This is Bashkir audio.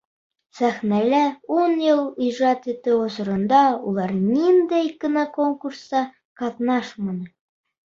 Сәхнәлә ун йыл ижад итеү осоронда улар ниндәй генә конкурста ҡатнашманы!